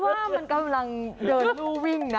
กี๊ซังคิดว่ามันกำลังเดินรูวิ่งนะ